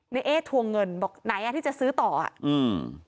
เอ๊ทวงเงินบอกไหนอ่ะที่จะซื้อต่ออ่ะอืม